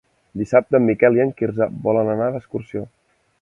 Dissabte en Miquel i en Quirze volen anar d'excursió.